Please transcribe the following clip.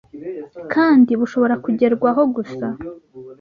kandi bushobora kugerwaho gusa